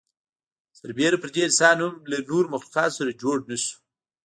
سر بېره پر دې انسان هم له نورو مخلوقاتو سره جوړ نهشو.